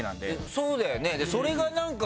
そうだよね。